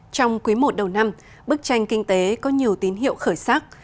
trong quý i đầu năm bức tranh kinh tế có nhiều tín hiệu khởi sắc